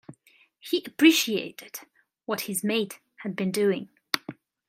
He appreciated what his mate had been doing.